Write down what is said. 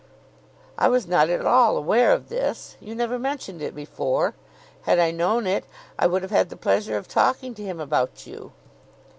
"I was not at all aware of this. You never mentioned it before. Had I known it, I would have had the pleasure of talking to him about you."